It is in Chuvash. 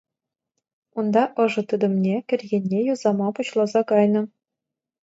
Унта ӑшӑ тытӑмне кӗр енне юсама пуҫласа кайнӑ.